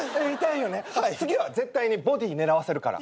次は絶対にボディー狙わせるから。